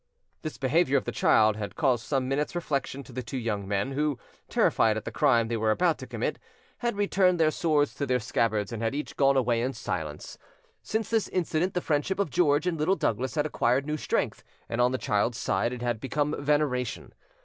This behaviour of the child had caused some minutes' reflection to the two young men, who, terrified at the crime they were about to commit, had returned their swords to their scabbards and had each gone away in silence. Since this incident the friendship of George and Little Douglas had acquired new strength, and on the child's side it had become veneration.